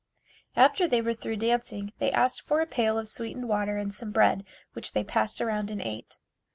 After they were through dancing they asked for a pail of sweetened water and some bread which they passed around and ate.